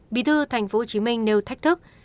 bí thư tp hcm nêu thách thức